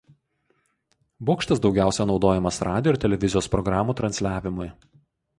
Bokštas daugiausiai naudojamas radijo ir televizijos programų transliavimui.